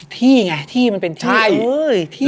ที่ไงที่มันเป็นที่ใช่